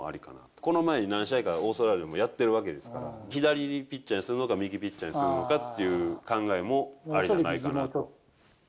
この前に何試合か、オーストラリアもやってるわけですから、左ピッチャーにするのか、右ピッチャーにするのかっていう考えもありじゃないかなと。